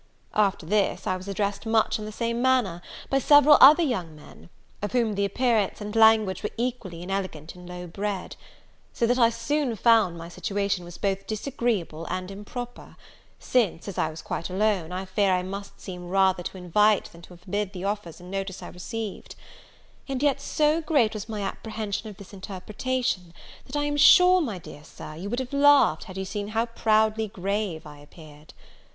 After this, I was addressed much in the same manner, by several other young men; of whom the appearance and language were equally inelegant and low bred; so that I soon found my situation was both disagreeable and improper, since, as I was quite alone, I fear I must seem rather to invite than to forbid the offers and notice I received; and yet, so great was my apprehension of this interpretation, that I am sure, my dear Sir, you would have laughed had you seen how proudly grave I appeared.